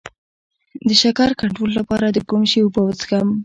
د شکر کنټرول لپاره د کوم شي اوبه وڅښم؟